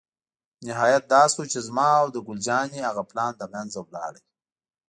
نهایت دا شو چې زما او د ګل جانې هغه پلان له منځه ولاړ.